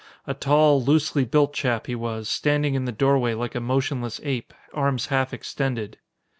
A tall, loosely built chap he was, standing in the doorway like a motionless ape, arms half extended.